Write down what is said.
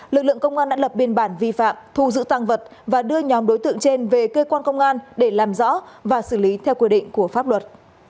lực lượng công an đã lập biên bản vi phạm thu giữ tăng vật và đưa nhóm đối tượng trên về cơ quan công an để làm rõ và xử lý theo quy định của pháp luật